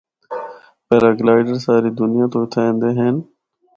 پیرا گلائیڈر ساری دنیا تو اِتھا ایندے ہن۔